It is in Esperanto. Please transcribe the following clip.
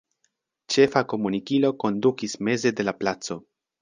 Ĉefa komunikilo kondukis meze de la placo.